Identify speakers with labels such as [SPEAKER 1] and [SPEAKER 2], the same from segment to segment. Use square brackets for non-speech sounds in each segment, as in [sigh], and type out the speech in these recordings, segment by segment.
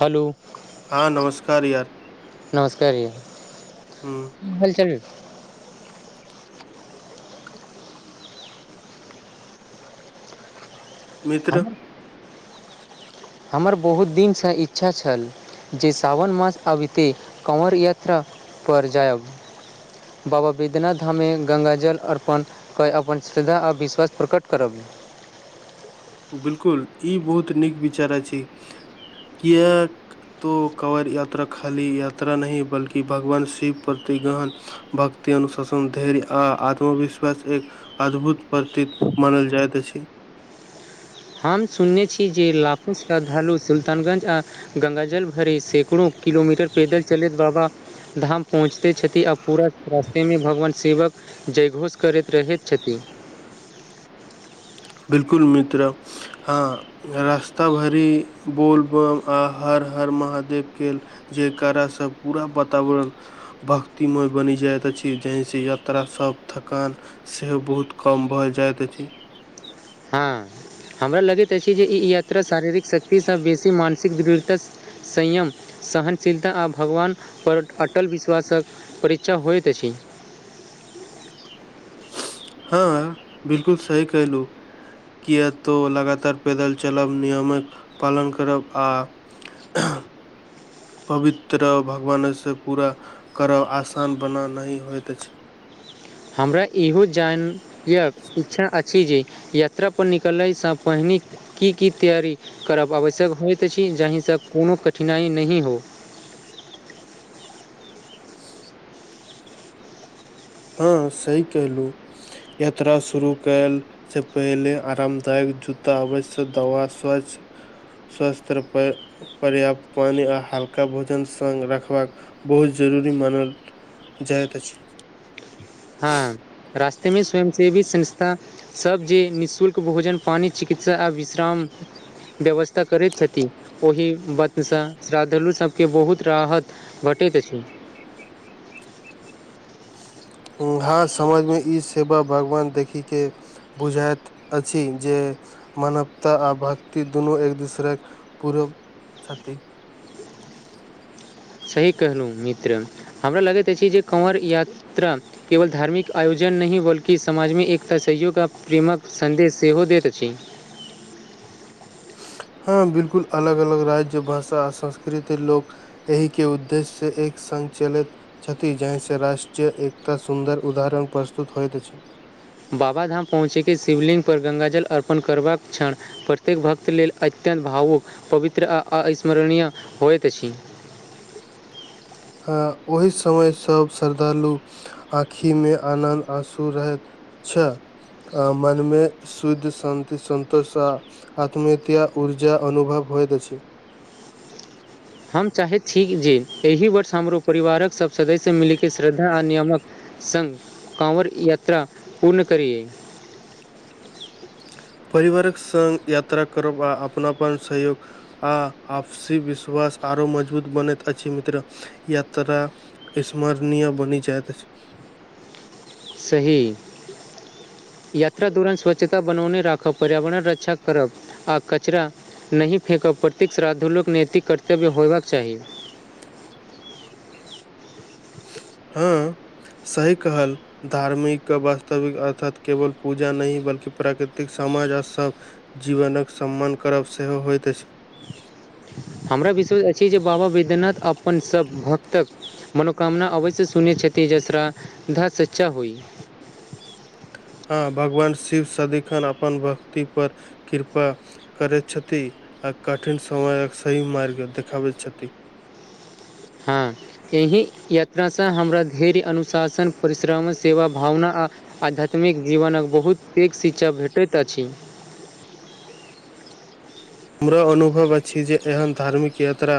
[SPEAKER 1] Hello
[SPEAKER 2] हँ नमस्कार यार।
[SPEAKER 1] नमस्कार
[SPEAKER 2] हूँ
[SPEAKER 1] भल चल
[SPEAKER 2] मित्र
[SPEAKER 1] हमर हमर बहुत दिनसँ इच्छा छल जे सावन मास आबिते काँवर यात्रापर जायब। बाबा बैद्यनाथ धाम मे गंगा जल अर्पण। के अपन श्रद्धा आ विश्वास प्रकट करब।
[SPEAKER 2] बिल्कूल ई बहुत नीक विचार अछी किए। तो कवर यात्रा खाली यात्रा नहि बल्कि भगवान शिव प्रति गहन। भक्ति अनुशासन धर्य आ आत्मविश्वास एक। अद्भुत प्रतीत मानल जाइत अछि।
[SPEAKER 1] हम सुनने छी। जे लाखूस श्रद्धालु सुल्तानगञ्ज आ गंगा जल भरे सैकड़ो किलोमीटर पैदल चलैत बाबा धाम पर। पहुँचतै छथि आ पूरा रास्तेमे भगवान शिवक जय घोष करैत रहैत छथि।
[SPEAKER 2] बिल्कूल मित्र हँ रास्ता भरि बोलबम आ हर हर महादेवके। जे करासँ पूरा वातावरण। भक्तिमय बनि जाइत अछि। जी से यात्रा सभ थकान सेहो बहुत कम भऽ जाइत अछि।
[SPEAKER 1] हँ हमरा लगैत अछि। जे ई यात्रा शारीरिक शक्तिसँ बेसी मानसिक दृढ़ता। संयम सहनशीलता आ भगवानपर अटल विश्वासक परीक्षा होइत अछि।
[SPEAKER 2] हँ बिल्कूल सही कलहु कए तो लगातार पैदल चलब नियमक पालन करब आ। आ [inaudible] पवित्र भगवानेसँ पूरा करब आसान बना नहि होइत अछि
[SPEAKER 1] हमरा इहो जान य इच्छा अछि जे यात्रा परर निकलयसँ पहिने की की तैयरी करब आवश्यक होइत अछि जाहिसँ कोनो कठिनाइ नहि हो
[SPEAKER 2] [unintelligible] हँ सही कलहुँ यात्रा शुरू कयल से पहिले आरामदायक जूता अवश्य दवा स्वच्छ स्वास्थ्य पर पर्याप्त पानी आ हल्का भोजन स रखबाक बहुत जरूरी मानल जायत छै
[SPEAKER 1] हँ रास्ते मे स्वयं सेवी संस्था सभ जे निःशुल्क भोजन पानि चिकित्सा आ विश्राम व्यवस्था करैत छथिन ओहि वतसँ श्रद्धालु सभके बहुत राहत भटैत अछि
[SPEAKER 2] हँ समझमे ई सेवा भगवान देखिक के बुझाइत अछि जे मानवता आ भक्ति दुनू एक दोसरक पूरव छथिति
[SPEAKER 1] सही कहलौं मित्र हमरा लगैत अछि जे कँवर यात्रा केवल धार्मिक आयोजन नहि बल्कि समाजमे एकता सहयोग आ प्रेमक सन्देश सेहो दैत अछि
[SPEAKER 2] हँ बिलकुल अलग अलग राज्य भाषा आ संस्कृति लोक एहि के उद्देश्य एक संचलित छथि जाहि से राष्ट्रीय एकता सुन्दर उदाहरण प्रस्तुत होइत अछि
[SPEAKER 1] बाबाधाम पहुँचैके शिवलिङ्गपर गङ्गााजल अर्पण करबाक क्षण प्रत्येक भक्त लेल अत्यन्त भावुक पवित्र आ अस्मरणीय होइत अछि
[SPEAKER 2] हँ ओहि समय सभ श्रद्धालु आँखि में आनन्द आंसु रहैत छा आहां मनेमे सुध शान्ति संतोष आ आत्मएता ऊर्जा अनुभव होएत अछि
[SPEAKER 1] हम चाहैत छी जे एहि वर्ष हमरो परिवारक सभ सदस्य मिलके श्रद्धा आ नियमक संग काँवर यात्रा पूर्ण करिए
[SPEAKER 2] परिवारक सङ्ग यात्रा करब आ अपनापन सहयोग आ आपसी विश्वास आरो मजबूत बनैत अछि मित्र यात्रा सामरणीय बनि जाइत अछि
[SPEAKER 1] सही यात्रा दौरान स्वच्छता बनौने राखब पर्यावरण रक्षा करब आ कचरा नहि फेकब प्रत्येक श्राद्धलुक नैतिक कर्तव्य होयबाक चाही
[SPEAKER 2] हँ सही कहल धार्मिक वास्तविक अर्थात केवल पूजा नहि बल्कि प्राकृतिक समाज आ सब जीवनक सम्मान करब सेहो होइत अछि
[SPEAKER 1] हमरा विश्वास अछि जे बाबा बैद्यनाथ अपन सभ भक्तक मनोकामना अवश्य सुनै छथि जे श्रद्धा सच्चा होइ
[SPEAKER 2] हँ भगवान शिव सदिखन अपन भक्तिपर कृपा करैत छथि आ कठिन समयक सही मार्ग देखाबैत छथि
[SPEAKER 1] हां एहि यात्रासँ हमरा धैर्य अनुशासन परिश्रम सेवा भावना आ आध्यात्मिक जीवनक बहुत पैघ शिक्षा भेटैत अछि
[SPEAKER 2] हमरो अनुभव अछि जे एहन धार्मिक यात्रा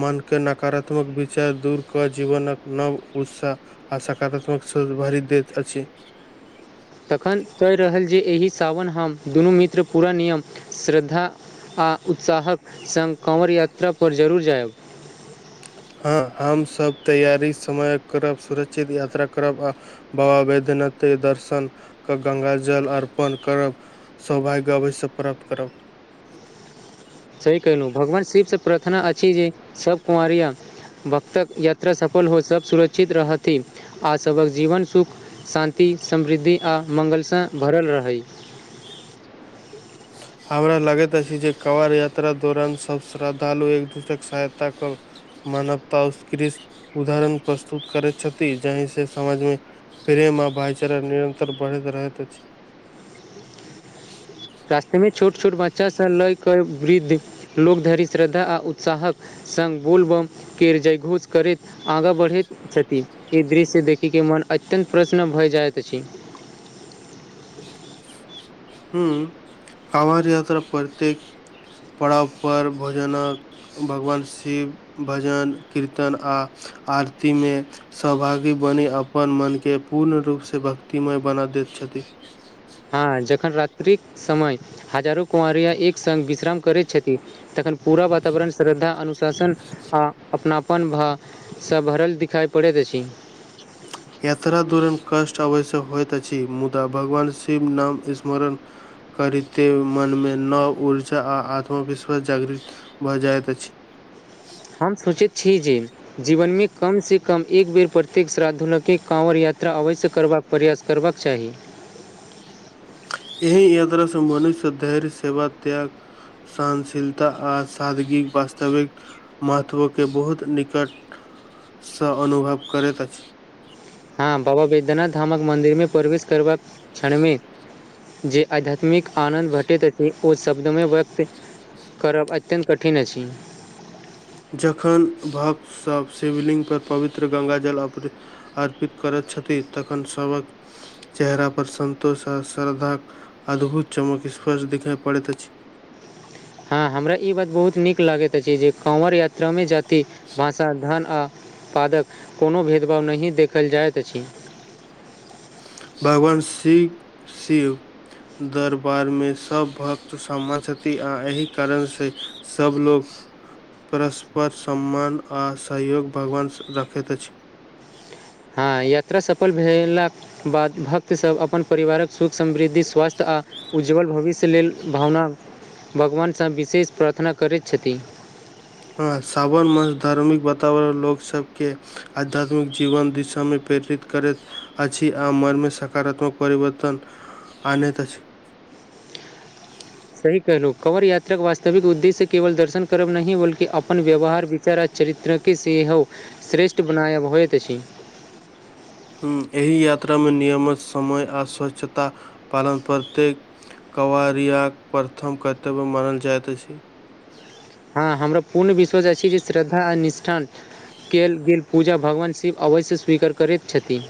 [SPEAKER 2] मनके नकारात्मक विचार दूर कऽ जीवनक नव उत्साह आ सकारात्मक सोच भरि दैत अछि
[SPEAKER 1] तखन कहि रहल जे एहि सावन हम दुनू मित्र पूरा नियम श्रद्धा। आ उत्साहक सङ्ग काँवर यात्रापर जरूर जायब।
[SPEAKER 2] हँ हमसभ तैयारी समय करब सुरक्षित यात्रा करब आ बाबा बैद्यनाथे दर्शन कर गङ्ंगा जल अर्पन करब। सौभाग्य अवश्य प्राप्त करब।
[SPEAKER 1] सही कहलौं भगवान शिवसँ प्रार्थना अछि। जे सभ कंवरिया भक्तक यात्रा सफल हो सभ सुरक्षित रहथि आ सभक जीवन सुख। शान्ति, समृद्धि, आ मंगलस भरल रहै
[SPEAKER 2] स [inaudible] हमरा लगैत अछि जे कांवड़ यात्राक दौरान सभ श्रद्धालु एक दोसराकेँ सहायता करथि। मानवताक उत्कृष्ट उदाहरण प्रस्तुत करैत छथि, जाहिसँ समाजमे प्रेम आ भाइचाराक भावना निरन्तर बढ़ैत रहैत अछि।
[SPEAKER 1] रास्तामे छोट छोट बच्चासभ लऽ कऽ वृद्ध लोक धरि श्रद्धा आ उत्साहक संग बोलबम के जयघोष करैत। आगाँ बढ़ैत छथि, ई दृश्य देखि कऽ मन अत्यन्त प्रसन्न भऽ जाइत अछि।
[SPEAKER 2] हँ, कांवड़ यात्राक प्रत्येक पड़ाव पर भोजनक भगवान शिव भजन कीर्तन आ आरती मे सहभागी बनि अपन मनकेँ पूर्ण रूपसँ भक्तिमय बना दैत छथि।
[SPEAKER 1] हँ, जखन रात्रिक समय हजारो कँवरिया एक सङ्ग विश्राम करैत छथि। तखन पूरा वातावरण श्रद्धा, अनुशासन आ अपनापनसँ भऽ सभ भरल दिखाइ पड़ैत अछि।
[SPEAKER 2] यात्रा दरान कष्ट अवश्य होयइत अछि। मुदा भगवान शिव नाम स्मरण करिते मनमे नव ऊर्जा आ आत्मविश्वास जागृत भऽ जाइत अछि।
[SPEAKER 1] हम सोचैत छी। जे जीवनमे कम सँ कम एक बेर प्रत्येक श्रद्धालुकेँ काँवर यात्रा अवश्य करबाक चाही। प्रयास करबाक चाही।
[SPEAKER 2] एहि यात्रा से मनुष्य धैर्य सेवा त्याग सहनशीलता आ सादगिक वास्तविक महत्वके बहुत निकटसँ अनुभव करैत अछि।
[SPEAKER 1] हँ बाबा बैद्यनाथ धामक मन्दिरमे प्रवेश करबाक क्षणमे जे आध्यात्मिक आनन्द भेटैत अछि, ओ शब्दमे व्यक्त करब अत्यन्त कठिन अछि।
[SPEAKER 2] जखन भक्तसभ शिवलिंग पर पवित्र गङ्गाजल अर्पित अर्पित करैत छथि, तखन सभहक चेहरापर सन्तोष आ श्रद्धाक अद्भुत चमक स्पष्ट देखाइ पड़ैत अछि।
[SPEAKER 1] हँ, हमरा ई बात बहुत नीक लगैत अछि जे काँवर यात्रामे जाति, भाषा, धन आ उत्पन्नक कोनो भेदभाव नहि देखल जाइत अछि।
[SPEAKER 2] भगवान शिव शिव। दरबारमे सभ भक्त समान छथि, आ एहि कारणसँ सभ लोग परस्पर, सम्मान आ सहयोग भगवान रखैत अछि।
[SPEAKER 1] हँ, यात्रा सफल भेलाक बाद भक्तसभ अपन परिवारक सुख समृद्धि स्वास्थ्य आ उज्ज्वल भविष्य लेल भगवानसँ विशेष प्रार्थना करैत छथि।
[SPEAKER 2] हँ, सावन मासक धार्मिक वातावरण लोकसभकेँ आध्यात्मिक जीवन दिशामे प्रेरित करैत अछि आ मनमे सकारात्मक परिवर्तन आनत छै।
[SPEAKER 1] सही कहलहुँ। काँवर यात्राक वास्तविक उद्देश्य केवल दर्शन करब नहि, बल्कि अपन व्यवहार चारित्रिक चरित्रके सेहो श्रेष्ठ बनाय होइत अछि।
[SPEAKER 2] हँ, एहि यात्रामे नियमित समय आ स्वच्छताक पालन प्रत्येक कँवरियाक प्रथम कर्तव्य मानल जाइत अछि।
[SPEAKER 1] हँ हमरा पूर्ण विश्वास अछि जे श्रद्धा आ निष्ठान कयल गेल पूजा भगवान शिव अवश्य स्वीकार करैत छथिन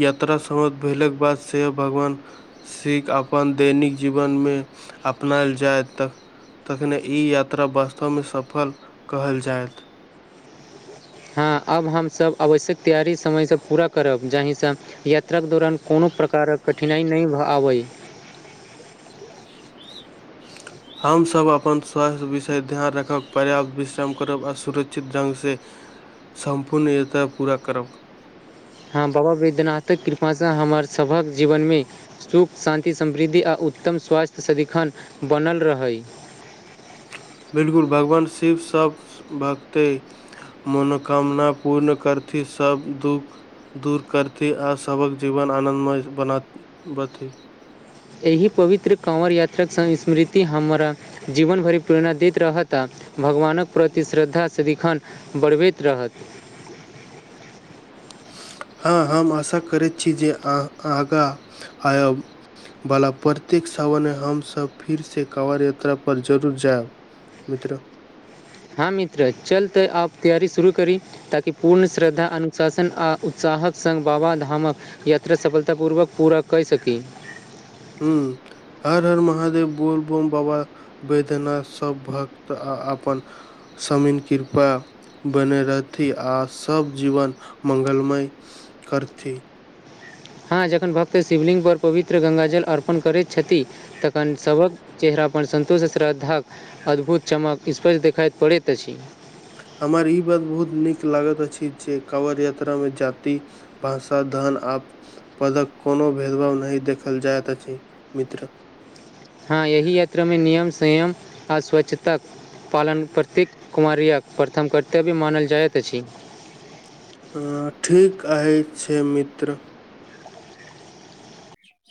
[SPEAKER 2] यात्रा समाप्त भेलाके बाद से भगवान सीख अपन दैनिक जीवनमे अपनायल जाय तऽ तखने ई यात्रा वास्तवमे सफल कहल जायत
[SPEAKER 1] हँ अब हमसब आवश्यक तैयारी समयसँ पूरा करब जाहिसँ यात्राके दौरान कोनो प्रकारक कठिनाइ नहि भऽ आबय
[SPEAKER 2] हमसभ अपन स्वास्थ्य विषय ध्यान रखब पर्याप्त विश्राम करब आ सुरक्षित ढङ्गसँ सम्पूर्ण यात्रा पूरा करब
[SPEAKER 1] हँ बाबा बैद्यनाथक कृपासँ हमर सभक जीवनमे सुख शान्ति समृद्धि आ उत्तम स्वास्थ्य सदिखन बनल रहै
[SPEAKER 2] बिलकुल भगवान शिवसभ भगतै मनोकामना पूर्ण करथि सभ दुःख दूर करथि आ सभक जीवन आनन्दमय बना बथि
[SPEAKER 1] एहि पवित्र काँंवर यात्राक स्मृति हमरा जीवन भरि प्रेरणा दैत रहता भगवानक प्रति श्रद्धा सदिखन बढ़बैत रहत
[SPEAKER 2] हँ हम आशा करैत छी जे अहाँ आगाँ आयब बला प्रत्येक सावन मे हमसब फिर से कवड़ यात्रा पर जरूर जायब मित्र
[SPEAKER 1] हँ मित्र चल त आब तैयारी शुरू करी ताकि पूर्ण श्रद्धा अनुशासन आ उत्साहक संग बाबा धामक यात्रा सफलता पूर्वक पूरा कैर सकी
[SPEAKER 2] ह्म हर हर महादेव बोल बम बाबा वेद्यनाथ सभ भक्त आ अपन समीन कृपा बने रहथि आ सब जीवन मंगलमय करथि
[SPEAKER 1] हँ जखन भक्त शिवलिंग पर पवित्र गंगाजल अर्पण करैत छथि तखन सभक चेहरा पर संन्तोष आ श्रद्धाक अद्भुत चमक स्पष्ट देखाइत पड़ैत अछि
[SPEAKER 2] हमर ई बात बहुत नीक लागैत अछि जे काँवर यात्रामे जाति पर साधन आ पदक कोनो भेदभाव नहि देखल जाइत अछि मित्र
[SPEAKER 1] हँ यही यात्रा में नियम संयम आ स्वच्छता पालन प्रतीक कुमारे प्रथम कर्तव्य मानल जाइत अछि
[SPEAKER 2] हाँ ठीक आ छै मित्र